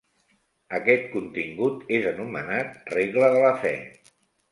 Aquest contingut és anomenat regla de la fe.